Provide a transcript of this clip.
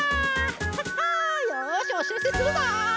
ハッハよしおしらせするぞ！